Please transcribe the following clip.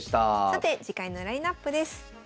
さて次回のラインナップです。